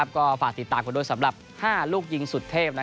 ก็ฝากติดตามกันด้วยสำหรับ๕ลูกยิงสุดเทพ